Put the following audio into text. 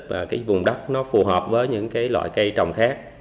đặt đất nó phù hợp với những cái loại cây trồng khác